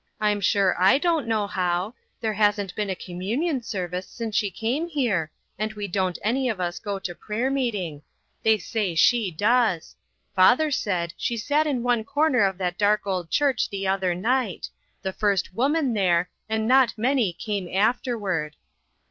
"I'm sure I don't know how. There hasn't been a communion service since she came here, and we don't any of us go to prayer meeting. They say she does. Father said she sat in one corner of that dark old church the other night ; the first woman there, and not many came afterward."